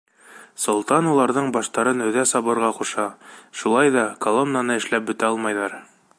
Солтан уларҙың баштарын өҙә сабырға ҡуша, шулай ҙа колоннаны эшләп бөтә алмайҙар.